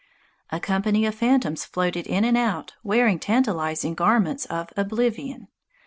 A company of phantoms floated in and out wearing tantalizing garments of oblivion.